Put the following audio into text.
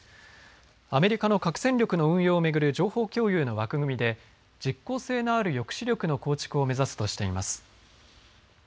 アメリカの核戦力の運用を巡る情報共有の枠組みで実効性のある抑止力の構築を目指すとしています。